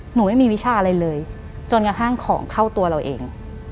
หนูไม่มีวิชาอะไรเลยจนกระทั่งของเข้าตัวเราเอง